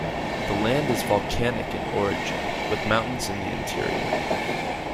The land is volcanic in origin with mountains in the interior.